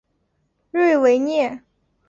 瑞维涅。